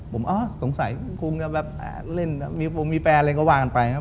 ผมสงสัยคุณคุณจะเล่นมีแฟนอะไรก็วางไปนะครับ